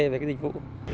về cái dịch vụ